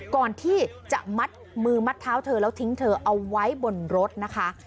ก่อนที่จะมัดมือมัดเท้าเธอแล้วทิ้งเธอเอาไว้บนรถนะคะ